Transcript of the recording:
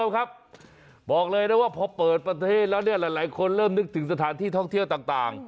ครับบอกเลยนะว่าพอเปิดประเทศแล้วเนี่ยหลายคนเริ่มนึกถึงสถานที่ท่องเที่ยวต่าง